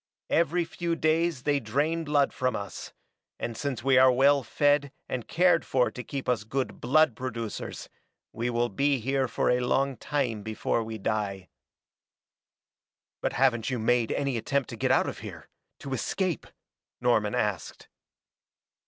Every few days they drain blood from us, and since we are well fed and cared for to keep us good blood producers, we will be here for a long time before we die." "But haven't you made any attempt to get out of here to escape?" Norman asked.